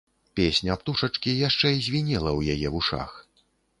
Песня птушачкі яшчэ звінела ў яе вушах.